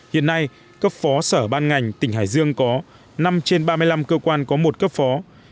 hiện nay cấp phó sở ban ngành tỉnh hải dương có năm trên ba mươi năm cơ quan có một cấp phó